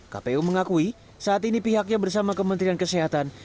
kpu mengakui saat ini pihaknya bersama kementerian kesehatan